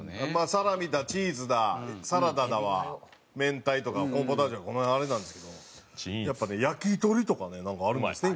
サラミだチーズだサラダだはめんたいとかコーンポタージュとかこの辺あれなんですけどやっぱねやきとりとかねなんかあるんですね